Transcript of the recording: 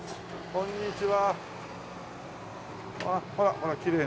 こんにちは。